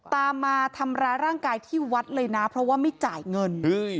ตามมาทำร้ายร่างกายที่วัดเลยนะเพราะว่าไม่จ่ายเงิน